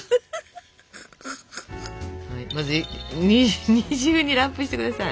まず二重にラップして下さい。